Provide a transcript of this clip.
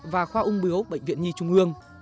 và khoa ung bướu bệnh viện nhi trung ương